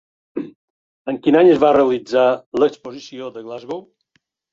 En quin any es va realitzar l'exposició de Glasgow?